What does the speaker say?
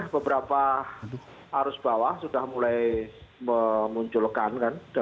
beberapa arus bawah sudah mulai memunculkan